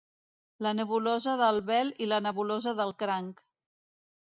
La nebulosa del Vel i la nebulosa del Cranc.